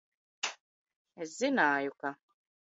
Es zin?ju, ka